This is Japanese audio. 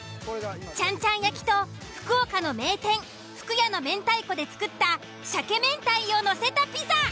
ちゃんちゃん焼きと福岡の名店「ふくや」の明太子で作った鮭明太をのせたピザ。